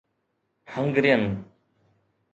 Hungarian